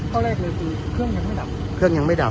เท่าแรกเลยคือเครื่องยังไม่ดับ